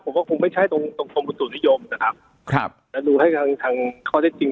ผมว่าคงไม่ใช่ตรงตรงกรมอุตุนิยมนะครับครับแต่ดูให้ทางทางข้อเท็จจริง